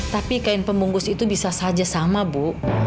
tapi kain pembungkus itu bisa saja sama bu